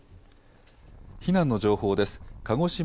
避難の情報です。